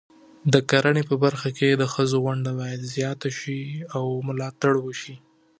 د کرنې په برخه کې د ښځو ونډه باید زیاته شي او ملاتړ شي.